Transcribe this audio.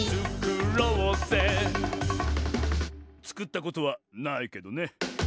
「つくったことはないけどね」